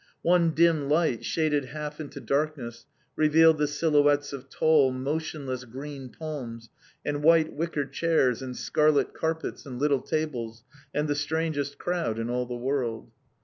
One dim light, shaded half into darkness, revealed the silhouettes of tall, motionless green palms and white wicker chairs and scarlet carpets and little tables, and the strangest crowd in all the world.